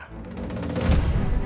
kenapa bisa begini